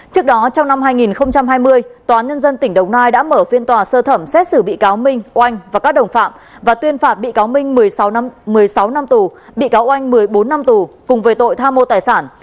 trước đó trong năm hai nghìn hai mươi tòa nhân dân tỉnh đồng nai đã mở phiên tòa sơ thẩm xét xử bị cáo minh oanh và các đồng phạm và tuyên phạt bị cáo minh một mươi sáu một mươi sáu năm tù bị cáo oanh một mươi bốn năm tù cùng về tội tham mô tài sản